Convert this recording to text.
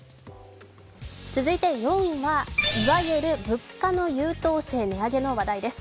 続いて４位は、いわゆる物価の優等生値上げの話題です。